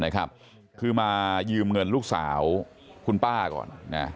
คือมายืมเงินลูกสาวคุณป้าก่อน